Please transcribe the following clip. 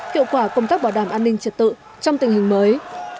hiệu quả công tác bảo đảm an ninh trật tự trong tình hình mới